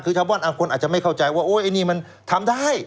คือชาวบ้านคนอาจจะไม่เข้าใจว่าโอ๊ยไอ้นี่มันทำได้